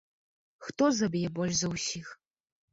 Хто заб'е больш за ўсіх?